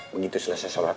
begitu selesai sholat